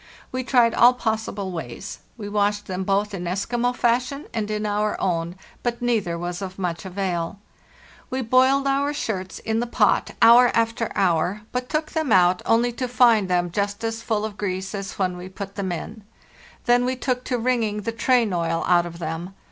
We tried all possible ways; we washed them both in Eskimo fashion and in our own; but neither was of much avail. We boiled our shirts in the pot hour after hour, but took STEASE as them out only to find them just as full of g¢ when we put them in. Then we took to wringing the train oil out of them.